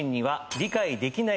理解できない。